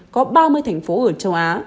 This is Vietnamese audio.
có ba mươi thành phố ở châu á